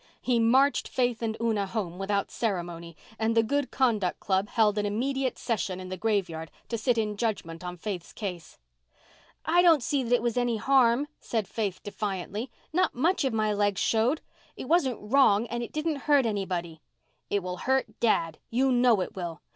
He marched Faith and Una home without ceremony, and the Good Conduct Club held an immediate session in the graveyard to sit in judgment on Faith's case. "I don't see that it was any harm," said Faith defiantly. "Not much of my legs showed. It wasn't wrong and it didn't hurt anybody." "It will hurt Dad. You know it will.